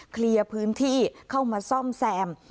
เคลียร์พื้นที่เข้ามาซ่อมแซม